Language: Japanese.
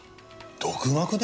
独学で？